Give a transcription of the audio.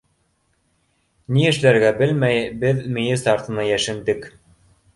Ни эшләргә белмәй, беҙ мейес артына йәшендек.